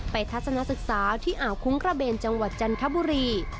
ไปทัศนศึกษาที่อาวุธคุ้งกระเบนจังหวัดจันทร์ทับบุรี